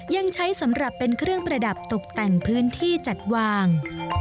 ยังใช้สำหรับเป็นเครื่องประดับตกแต่งพื้นที่จัดวาง